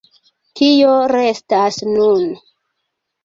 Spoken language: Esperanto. Kio restas nun?